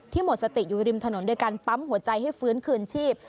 หมดสติอยู่ริมถนนโดยการปั๊มหัวใจให้ฟื้นคืนชีพ